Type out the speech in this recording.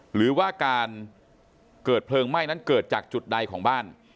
หรือว่าการเกิดเพลิงไหม้นั้นเกิดจากจุดใดของบ้าน